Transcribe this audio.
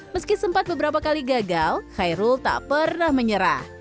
meski sempat beberapa kali gagal khairul tak pernah menyerah